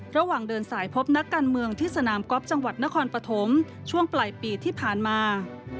ระหว่างเดินสายพบนักการเมืองที่สนามก๊อฟจังหวัดนครปฐมช่วงปลายปีที่ผ่านมา